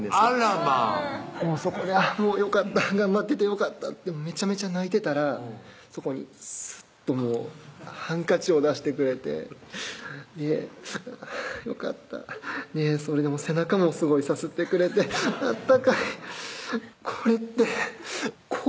まぁよかった頑張っててよかったってめちゃめちゃ泣いてたらそこにすっとハンカチを出してくれてあぁよかったそれで背中もすごいさすってくれて温かいこれって恋？